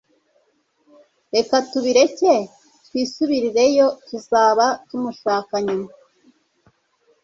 reka tubireke twisubirireyo, tuzaba tumushaka nyuma